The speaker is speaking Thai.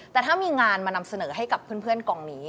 แต่ถ้ามีงานมานำเสนอให้กับเพื่อนกองนี้